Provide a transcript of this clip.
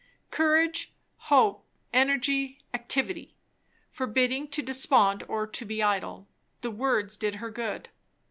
Courage, hope, energy, activity; forbidding to despond or to be idle; the words did her good.